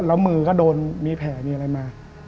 แล้วมือก็โดนมีแผลมีอะไรมา